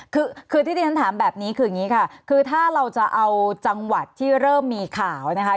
คือที่ที่ติฮันถามแบบนี้ถ้าเราจะเอาจังหวัดที่เริ่มมีข่าวนะครับ